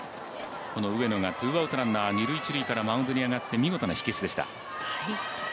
上野が、ツーアウトランナー、二・一塁からマウンドに上がって見事な火消しでした。